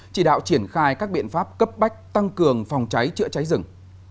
chỉ đạo triển khai các biện pháp cấp bách tăng cường phòng cháy chữa cháy rừng